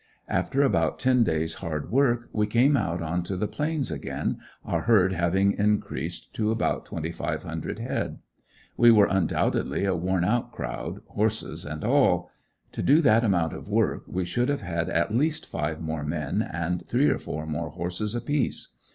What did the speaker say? After about ten days hard work we came out onto the Plains again, our herd having increased to about twenty five hundred head. We were undoubtedly a worn out crowd horses and all. To do that amount of work we should have had at least five more men, and three or four more horses apiece.